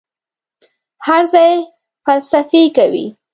هر ځای فلسفې کوي.